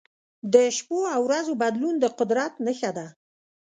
د شپو او ورځو بدلون د قدرت نښه ده.